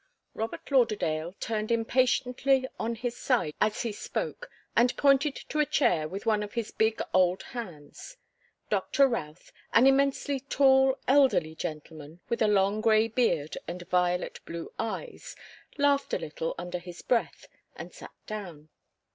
Robert Lauderdale turned impatiently on his side as he spoke, and pointed to a chair with one of his big, old hands. Doctor Routh, an immensely tall, elderly man, with a long grey beard and violet blue eyes, laughed a little under his breath, and sat down.